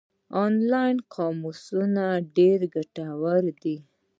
آنلاین قاموسونه ډېر ګټور دي.